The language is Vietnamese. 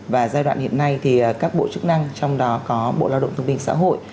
và giai đoạn hiện nay thì các bộ chức năng trong đó có bộ lao động thương minh xã hội